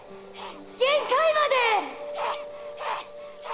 限界まで！